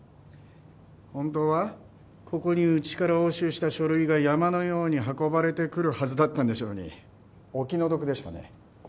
本当はここにうちから押収した書類が山のように運ばれてくるはずだったんでしょうにお気の毒でしたね。